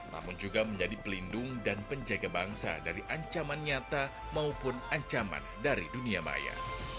namun juga menjadi pelindung dan penjaga bangsa dari ancaman nyata maupun ancaman dari dunia maya